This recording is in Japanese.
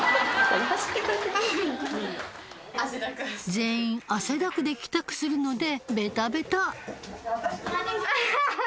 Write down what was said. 全員汗だくで帰宅するのでベタベタアハハ！